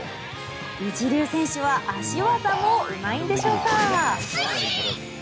一流選手は足技もうまいんでしょうか。